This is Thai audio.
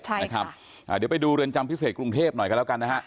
ใช่นะครับอ่าเดี๋ยวไปดูเรือนจำพิเศษกรุงเทพหน่อยกันแล้วกันนะฮะ